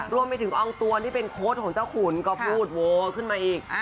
รวมไปถึงอองตวนที่เป็นโค้ดของเจ้าขุนก็พูดโวขึ้นมาอีก